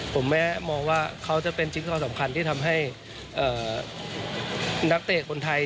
ผมไม่มองว่าเขาจะเป็นชิ้นความสำคัญที่ทำให้นักเตะคนไทย